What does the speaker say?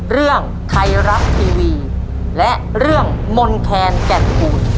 เรื่องไทรัพย์ทีวีและเรื่องมนแทนแก่ภูมิ